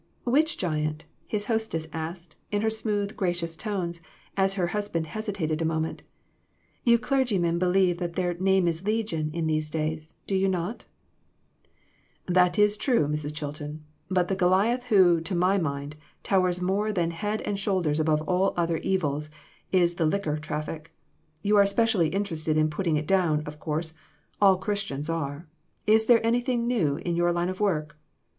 "Which giant?" his hostess asked, in her smooth, gracious tones, as her husband hesitated a moment; "you clergymen believe that their ' name is Legion ' in these days, do you not ?" "That is true, Mrs. Chilton; but the Goliath who, to my mind, towers more than head and shoulders above all other evils, is the liquor traf fic. You are especially interested in putting it down, of course, as all Christians are. Is there anything new in your line of work?"